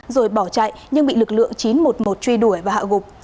rồi bỏ chạy nhưng bị lực lượng chín trăm một mươi một truy đuổi và hạ gục